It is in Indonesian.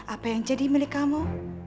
apa yang jadi milik kamu